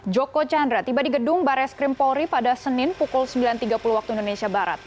joko chandra tiba di gedung bares krim polri pada senin pukul sembilan tiga puluh waktu indonesia barat